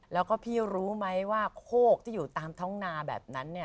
แล้วก็พี่รู้ไหมว่าโคกที่อยู่ตามท้องนาแบบนั้น